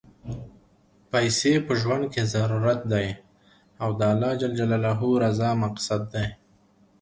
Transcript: پیسی په ژوند کی ضرورت دی، او د اللهﷻ رضا مقصد دی.